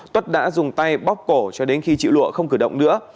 tuất đã dùng tay bóc cổ cho đến khi chịu lụa không cử động nữa